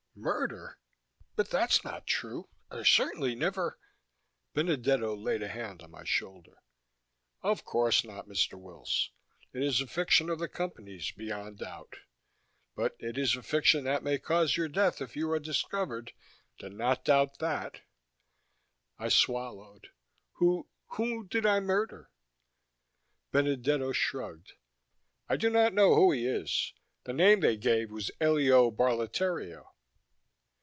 "Murder! But that's not true; I certainly never " Benedetto laid a hand on my shoulder. "Of course not, Mr. Wills. It is a fiction of the Company's, beyond doubt. But it is a fiction that may cause your death if you are discovered, do not doubt that." I swallowed. "Who whom did I murder?" Benedetto shrugged. "I do not know who he is. The name they gave was Elio Barletteria."